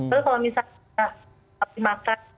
lalu kalau misalnya kita makan